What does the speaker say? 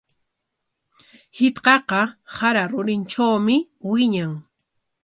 Shitqaqa sara rurintrawmi wiñan.